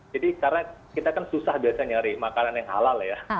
jadi karena kita kan susah biasa nyari makanan yang halal